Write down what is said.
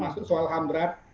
maksud soal ham berat